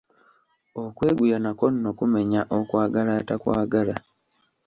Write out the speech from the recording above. Okweguya nakwo nno kumenya okwagala atakwagala.